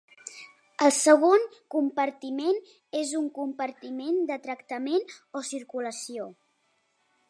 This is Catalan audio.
El segon compartiment és un compartiment de tractament o circulació.